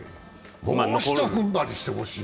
もうひと踏ん張りしてほしい。